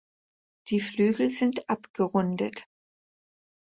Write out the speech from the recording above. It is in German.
Die Flügel sind abgerundet.